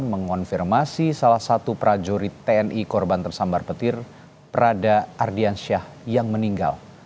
mengonfirmasi salah satu prajurit tni korban tersambar petir prada ardiansyah yang meninggal